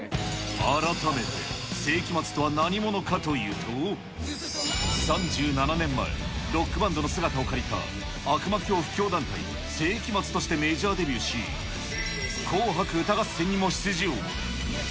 改めて聖飢魔ＩＩとは何者かというと、３７年前、ロックバンドの姿を借りた悪魔教布教団体聖飢魔ＩＩとしてメジャーデビューし、紅白歌合戦にも出場。